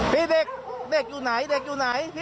พี่เต็กอยู่ไหนเด็กอยู่ไหนพี่